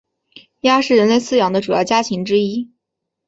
鸭是人类饲养的主要家禽之一。